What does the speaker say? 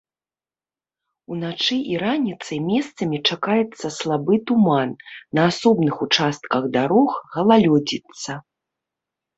Уначы і раніцай месцамі чакаецца слабы туман, на асобных участках дарог галалёдзіца.